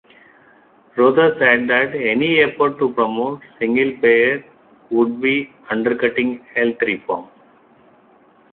Rother said that any effort to promote single payer would be undercutting health reform.